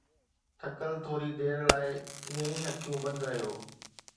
ٿڪل، ٿوري دير لاءِ ائين ئي اکيون بند رهيو